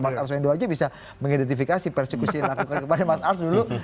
mas arswendo aja bisa mengidentifikasi persekusi yang dilakukan kepada mas ars dulu